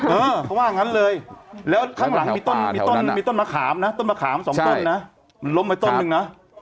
เออเขาว่างั้นเลยแล้วข้างหลังมีต้นมะขามนะต้นมะขามสองต้นนะล้มไปต้นหนึ่งนะ